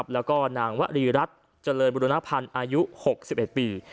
แล้วก็นางวรีรัฐเจริญบุรณพันธ์อายุ๖๑ปี